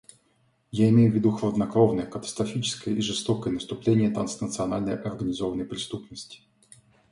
Я имею в виду хладнокровное, катастрофическое и жестокое наступление транснациональной организованной преступности.